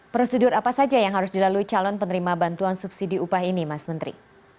prosedur apa saja yang harus dilalui calon penerima bantuan subsidi upah ini mas menteri